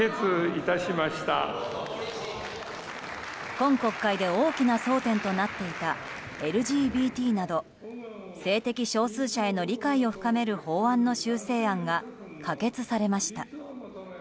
今国会で大きな争点となっていたＬＧＢＴなど性的少数者への理解を深める法案の修正案が可決されました。